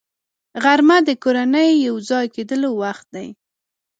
غرمه د کورنۍ یو ځای کېدلو وخت دی